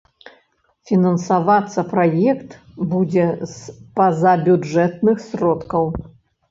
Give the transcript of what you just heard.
Фінансавацца праект будзе з пазабюджэтных сродкаў.